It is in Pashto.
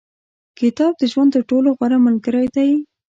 • کتاب، د ژوند تر ټولو غوره ملګری دی.